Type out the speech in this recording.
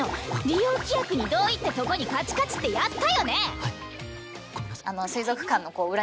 「利用規約に同意」ってとこにカチカチってやったよね